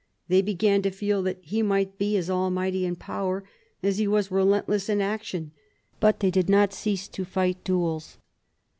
They began to feel that he might be as almighty in power as he was relentless in action. But they did not cease to fight duels.